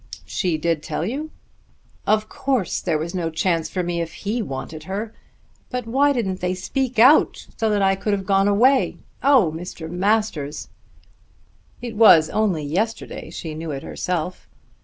"She did tell you?" "Of course there was no chance for me if he wanted her. But why didn't they speak out, so that I could have gone away? Oh, Mr. Masters!" "It was only yesterday she knew it herself."